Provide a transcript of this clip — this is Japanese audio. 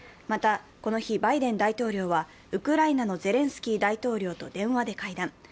また、この日バイデン大統領はウクライナのゼレンスキー大統領と電話で会談。